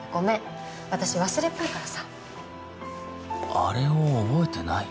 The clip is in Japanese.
あれを覚えてない？